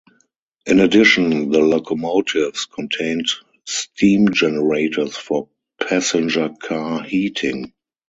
In addition the locomotives contained steam generators for passenger car heating.